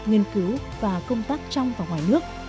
nghiên cứu và công tác trong và ngoài nước